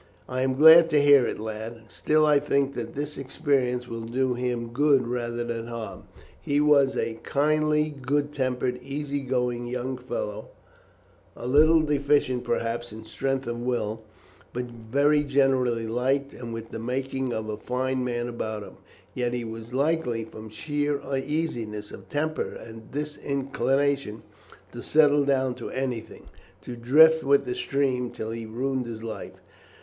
"I am glad to hear it, lad; still I think that this experience will do him good rather than harm. He was a kindly, good tempered, easy going young fellow, a little deficient, perhaps, in strength of will, but very generally liked, and with the making of a fine man about him; and yet he was likely, from sheer easiness of temper and disinclination to settle down to anything, to drift with the stream till he ruined his life.